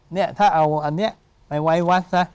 เนี่ยถ้าเอาอันนี้ไปไว้วัดซะ